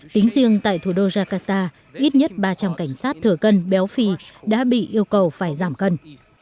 tính riêng tại thủ đô jakarta ít nhất ba trăm linh cảnh sát thừa cân béo phì đã bị yêu cầu phải giảm cân